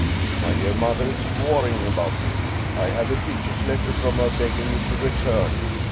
My dear mother is worrying about me. I have a piteous letter from her begging me to return.